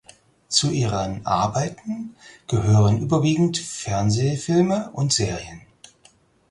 Zu ihren Arbeiten gehören überwiegend Fernsehfilme und Serien.